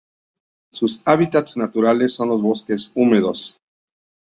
Sus hábitats naturales son los bosques húmedos.